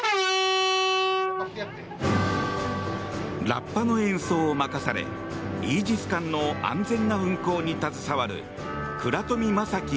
ラッパの演奏を任されイージス艦の安全な運航に携わる倉富柾樹